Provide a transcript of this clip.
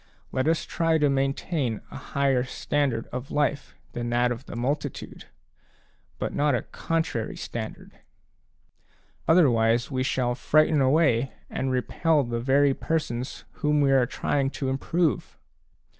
Let us try to maintain a higher standard of life than that of the multitude, but not a contrary standard ; other wise, we shall frighten away and repel the very persons whom we are trying to improve.